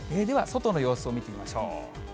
では外の様子を見てみましょう。